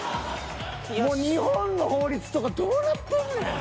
もう日本の法律とかどうなってんねん。